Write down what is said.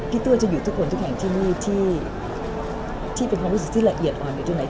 ตัวจะหยุดทุกคนทุกแห่งที่นี่ที่เป็นความรู้สึกที่ละเอียดอ่อนอยู่ตรงไหน